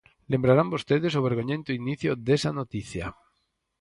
Lembrarán vostedes o vergoñento inicio desa noticia.